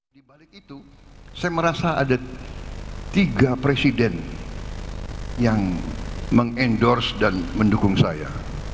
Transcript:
di balik itu saya merasa ada tiga presiden yang mengendorse dan mendukung saya